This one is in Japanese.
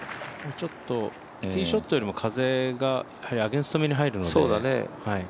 ティーショットよりも風がアゲンストめに入るので。